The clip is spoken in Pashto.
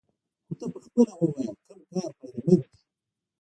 نو ته پخپله ووايه کوم کار فايده مند دې.